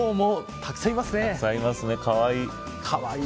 たくさんいますね、かわいい。